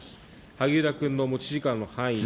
萩生田君の持ち時間の範囲で。